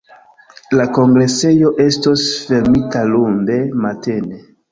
La kongresejo estos fermita lunde matene.